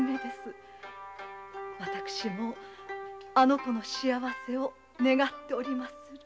私もあの娘の幸せを願っておりまする。